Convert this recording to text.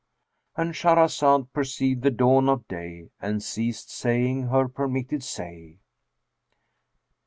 "—And Shahrazad perceived the dawn of day and ceased saying her permitted say.